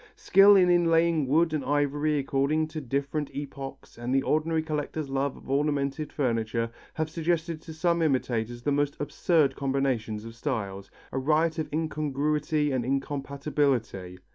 Skill in inlaying wood and ivory according to different epochs and the ordinary collector's love of ornamented furniture have suggested to some imitators the most absurd combinations of styles, a riot of incongruity and incompatibility.